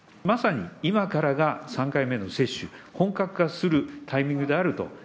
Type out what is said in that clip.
まさに今からが、３回目の接種、本格化するタイミングであると。